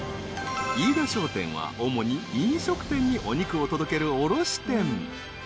［飯田商店は主に飲食店にお肉を届ける卸店］